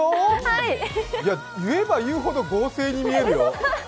言えば言うほど合成に見えるよ。